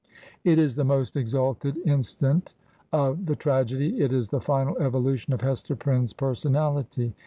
It is the most exalted instant of the tragedy, it is the final evolution of Hester Prynne's personality.